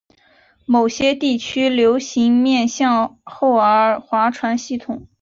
某些地区流行面向后的划船系统。